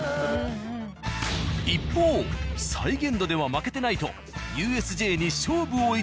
一方再現度では負けてない！とＵＳＪに勝負を挑むのが。